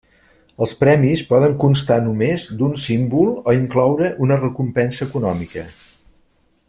Els premis poden constar només d'un símbol o incloure una recompensa econòmica.